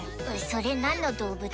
それ何の動物？